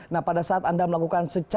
nah pada saat anda melakukan